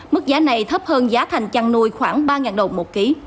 mức giá này thấp hơn giá thành chăn nuôi khoảng ba đồng một ký